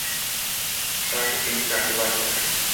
তাহলে তুমি কাকে বাঁচাবে?